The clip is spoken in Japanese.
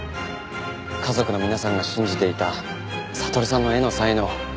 家族の皆さんが信じていた悟さんの絵の才能。